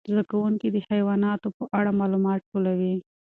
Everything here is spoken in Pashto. زده کوونکي د حیواناتو په اړه معلومات ټولوي.